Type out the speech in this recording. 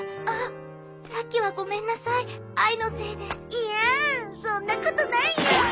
いやそんなことないよ。